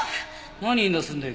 何言い出すんだよ